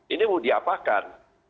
ini mau diapakan